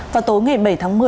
vào tối ngày bảy tháng một mươi